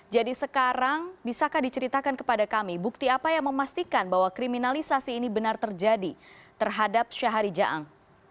jadi sekarang bisakah diceritakan kepada kami bukti apa yang memastikan bahwa kriminalisasi ini benar terjadi terhadap syahari jaang